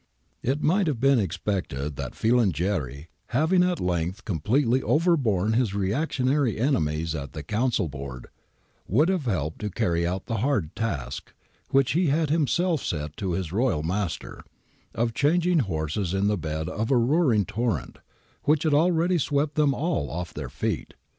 It might have been expected that Filangieri, having at length completely overborne his reactionary enemies at the Council board, would have helped to carry out the hard task, which he had himself set to his royal master, of changing horses in the bed of a roaring torrent which had already sw^ept them all off their feet.